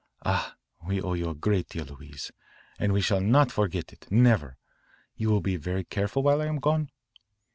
Ah, we owe you a great deal, Louise, and we shall not forget it, never. You will be very careful while I am gone?"